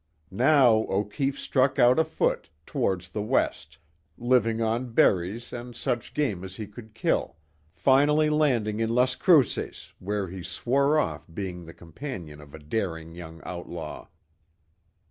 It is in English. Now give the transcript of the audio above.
Now O'Keefe struck out afoot, towards the west, living on berries and such game as he could kill, finally landing in Las Cruces, where he swore off being the companion of a daring young outlaw.